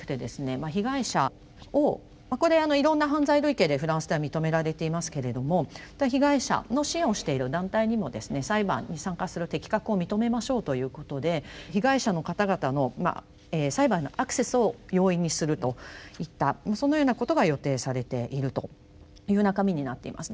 まあ被害者をこれいろいろな犯罪類型でフランスでは認められていますけれども被害者の支援をしている団体にもですね裁判に参加する適格を認めましょうということで被害者の方々の裁判のアクセスを容易にするといったそのようなことが予定されているという中身になっています。